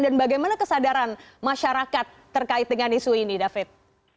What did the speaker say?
dan bagaimana kesadaran masyarakat terkait dengan isu ini david